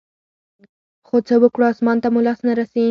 خو څه وكړو اسمان ته مو لاس نه رسي.